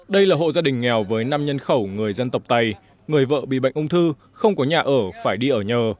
đây là hộ gia đình nghèo với năm nhân khẩu người dân tộc tày người vợ bị bệnh ung thư không có nhà ở phải đi ở nhờ